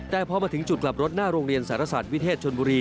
แต่พอมาถึงจุดกลับรถหน้าโรงเรียนสารศาสตร์วิเทศชนบุรี